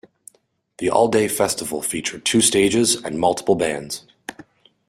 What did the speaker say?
The all-day festival featured two stages and multiple bands.